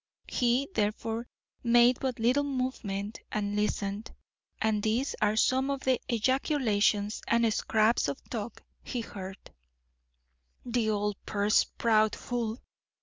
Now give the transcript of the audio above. He, therefore, made but little movement and listened; and these are some of the ejaculations and scraps of talk he heard: "The old purse proud fool!